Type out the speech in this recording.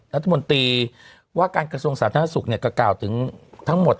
รัฐมนตรีว่าการกระทรวงสาธารณสุขเนี่ยก็กล่าวถึงทั้งหมด